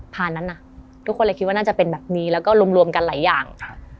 นั้นน่ะทุกคนเลยคิดว่าน่าจะเป็นแบบนี้แล้วก็รวมรวมกันหลายอย่าง